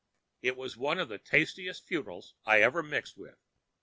It was one of the tastiest funerals I ever mixed with.